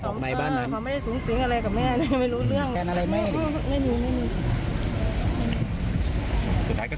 ปี๖๕วันเกิดปี๖๔ไปร่วมงานเช่นเดียวกัน